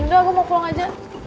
nggak gue mau pulang aja